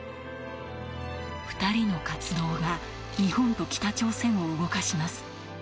２人の活動が日本と北朝鮮を動かします。